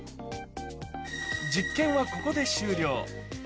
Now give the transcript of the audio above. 実験はここで終了。